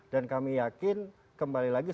dan kami yakin kembali lagi